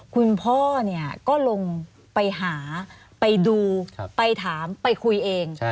คุณพ่อเนี่ยก็ลงไปหาไปดูไปถามไปคุยเอง